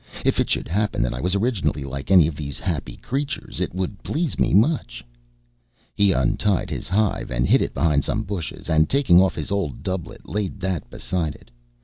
If it should happen that I was originally like any of these happy creatures it would please me much." He untied his hive, and hid it behind some bushes, and taking off his old doublet, laid that beside it.